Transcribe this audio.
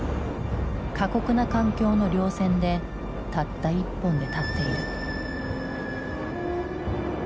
過酷な環境の稜線でたった１本で立っている。